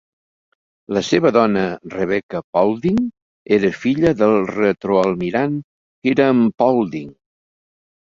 La seva dona, Rebecca Paulding, era filla del retroalmirall Hiram Paulding.